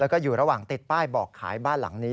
แล้วก็อยู่ระหว่างติดป้ายบอกขายบ้านหลังนี้